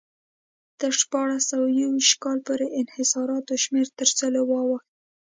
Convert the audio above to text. تر شپاړس سوه یو ویشت کال پورې انحصاراتو شمېر تر سلو واوښت.